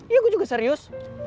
iya gue juga serius